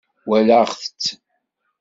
Wallaɣ-tt